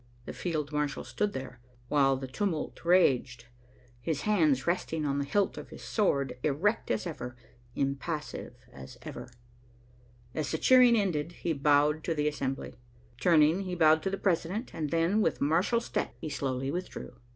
The field marshal stood there, while the tumult raged, his hands resting on the hilt of his sword, erect as ever, impassive as ever. As the cheering ended, he bowed to the assembly. Turning, he bowed to the president, and then, with martial step, he slowly withdrew.